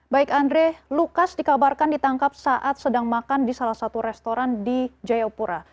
baik andre lukas dikabarkan ditangkap saat sedang makan di salah satu restoran di jayapura